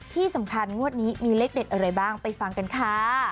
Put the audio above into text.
งวดนี้มีเลขเด็ดอะไรบ้างไปฟังกันค่ะ